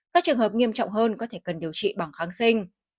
các trường hợp nghiêm trọng hơn có thể cần điều trị bằng kháng sinh